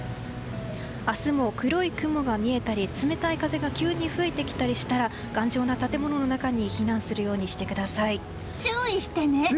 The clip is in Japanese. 明日も黒い雲が見えたり冷たい風が急に吹いてきたりしたら頑丈な建物の中に注意してね！